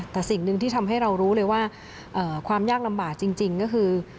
แต่สิ่งหนึ่งที่ทำให้เรารู้เลยว่าความยากลำบากจริงก็คือ